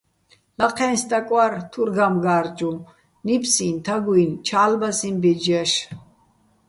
ლაჴეჼ სტაკ ვარ, თურ გამგა́რჯუჼ, ნიფსიჼ, თაგუჲნი̆, ჩა́ლბასიჼ ბეჯ ჲაშ.